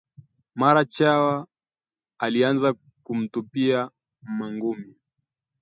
Mara, Chawa alianza kumtupia mangumi